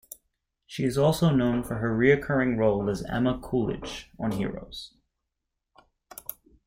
She is also known for her recurring role as Emma Coolidge on "Heroes".